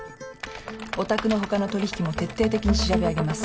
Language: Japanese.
お宅のほかの取り引きも徹底的に調べ上げます。